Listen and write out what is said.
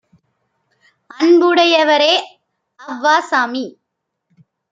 "அன்புடை யவரே அவ் வாசாமி